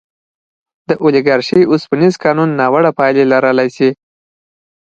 د اولیګارشۍ اوسپنیز قانون ناوړه پایلې لرلی شي.